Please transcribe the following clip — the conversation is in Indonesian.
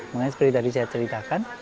makanya seperti tadi saya ceritakan